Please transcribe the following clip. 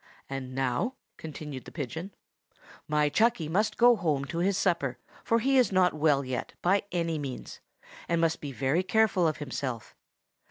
"And now," continued the pigeon, "my Chucky must go home to his supper, for he is not well yet, by any means, and must be very careful of himself.